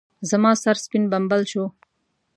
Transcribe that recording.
زما سر سپين بمبل شو.